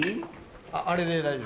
あれで大丈夫。